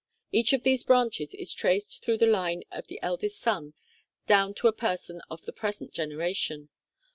Each of these branches is traced through the line of the eldest son down to a person of the present generation.